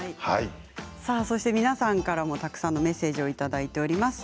皆さんからもたくさんのメッセージをいただいております。